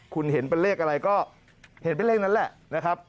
คุณเห็นเป็นเลขอะไรก็เห็นเป็นเลขนั้นแหละนะครับ